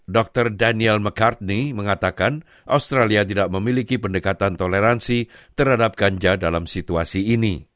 dr daniel mccartney mengatakan australia tidak memiliki pendekatan toleransi terhadap ganja dalam situasi ini